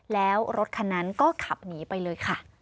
แล้วรถคันนั้นก็ขับหนีไปเลยค่ะ